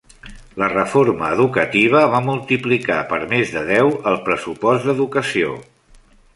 La reforma educativa va multiplicar per més de deu el pressupost d'educació.